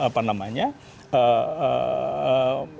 padahal itu yang namanya memilih